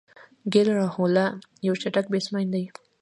کی ایل راهوله یو چټک بیټسمېن دئ.